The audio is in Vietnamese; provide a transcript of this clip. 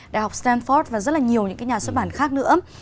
đại học stanford và rất là nhiều những cái nhà xuất bản khác nữa